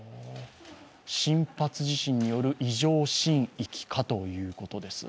深発地震による異常震域かということです。